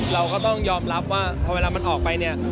เราก็ต้องยอมรับว่าพอเวลามันออกไปเนี่ย